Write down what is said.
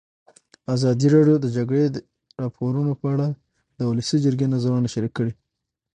ازادي راډیو د د جګړې راپورونه په اړه د ولسي جرګې نظرونه شریک کړي.